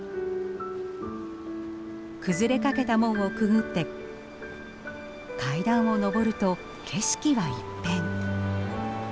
崩れかけた門をくぐって階段を上ると景色は一変。